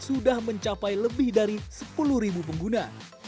sudah mencapai lebih dari sepuluh pengguna